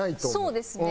そうですね。